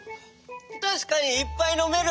たしかにいっぱいのめる！